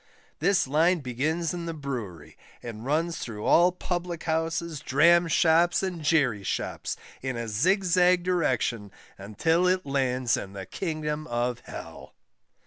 This Line begins in the Brewery, and runs through all Public houses, Dram shops, and Jerry shops, in a zigzag direction, until it lands in the Kingdom of Hell.